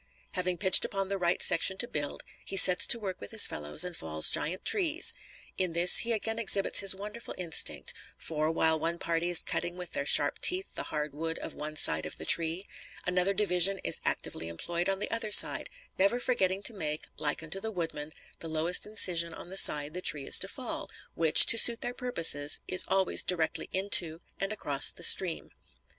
Having pitched upon the right section to build, he sets to work with his fellows and falls giant trees. In this he again exhibits his wonderful instinct; for, while one party is cutting with their sharp teeth the hard wood of one side of the tree, another division is actively employed on the other side, never forgetting to make, like unto the woodman, the lowest incision on the side the tree is to fall, which, to suit their purposes, is always directly into and across the stream.